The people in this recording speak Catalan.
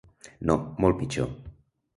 No, molt pitjor.